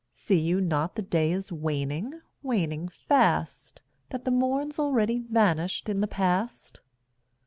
See you not the day is waning, waning fast? That the morn's already vanished in the past?